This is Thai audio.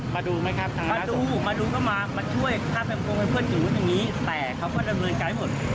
มาดูไหมครับมาดูมาดูก็มามาช่วยถ้าเพื่อนอยู่อย่างนี้แต่เขาก็ระเบินไกลหมด